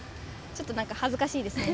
ちょっと恥ずかしいですね